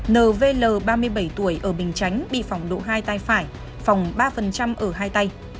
n v l ba mươi bảy tuổi ở bình chánh bị phỏng độ hai tay phải phỏng ba ở hai tay